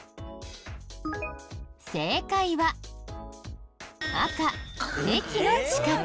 正解は赤駅の近く。